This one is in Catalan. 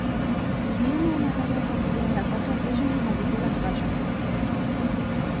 Vivíem a una casa familiar de quatre pisos i la botiga als baixos.